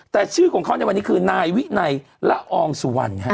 แต่ชื่อของเขาในวันนี้คือนายวินัยละอองสุวรรณ